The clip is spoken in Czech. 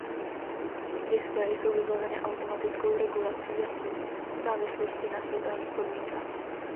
Displeje jsou vybaveny automatickou regulací jasu v závislosti na světelných podmínkách.